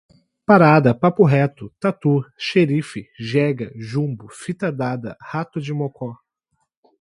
parada, papo reto, tatu, xerife, jega, jumbo, fita dada, rato de mocó